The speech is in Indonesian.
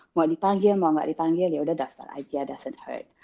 mau ditanggil mau nggak ditanggil yaudah daftar aja doesn t hurt